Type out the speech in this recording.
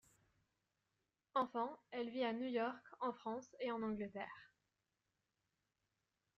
Enfant, elle vit à New York, en France et en Angleterre.